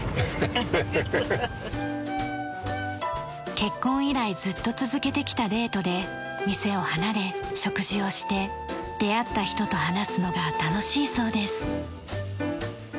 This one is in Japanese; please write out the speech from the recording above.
結婚以来ずっと続けてきたデートで店を離れ食事をして出会った人と話すのが楽しいそうです。